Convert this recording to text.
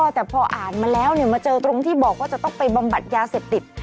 แต่พออ่านมาแล้วมาเจอตรงที่บอกว่าจะต้องไปบำบัดยาเสพติด